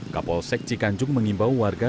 kapol sekcikancung mengimbau warga